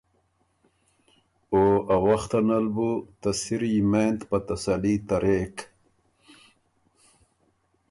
او ا وخته نل بُو ته سِر یمېند په تسلي ترېک۔